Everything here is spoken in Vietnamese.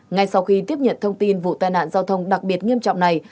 ngay sau khi tiếp nhận thông tin vụ tai nạn giao thông đặc biệt nghiêm trọng này